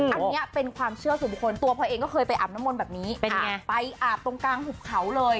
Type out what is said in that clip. อันนี้เป็นความเชื่อส่วนบุคคลตัวพอเองก็เคยไปอาบน้ำมนต์แบบนี้เป็นไงไปอาบตรงกลางหุบเขาเลย